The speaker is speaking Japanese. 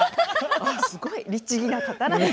すごい律儀な方だな。